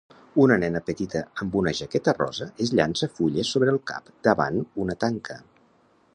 Una nena petita amb una jaqueta rosa es llança fulles sobre el cap davant una tanca.